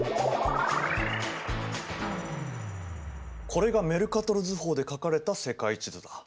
これがメルカトル図法で描かれた世界地図だ。